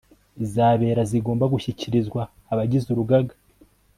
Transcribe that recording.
izabera zigomba gushyikirizwa abagize urugaga